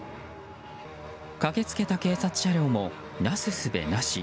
駆け付けた警察車両もなすすべなし。